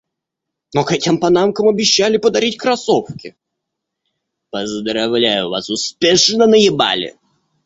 «Но к этим панамкам обещали подарить кроссовки!» — «Поздравляю, вас успешно наебали!»